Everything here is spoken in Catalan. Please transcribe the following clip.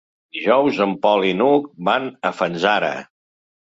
Dijous en Pol i n'Hug van a Fanzara.